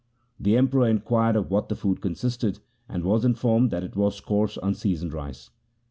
The Emperor inquired of what the food consisted, and was informed that it was coarse unseasoned rice.